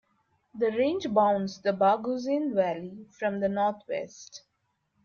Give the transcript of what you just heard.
The range bounds the Barguzin Valley from the North-West.